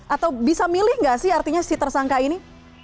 atau bisa milih nggak sih artinya si tersangka ini